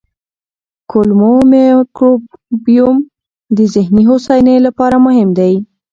کولمو مایکروبیوم د ذهني هوساینې لپاره مهم دی.